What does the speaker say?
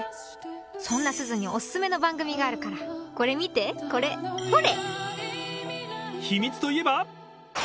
そんなすずにお薦めの番組があるからこれ見てこれほれ！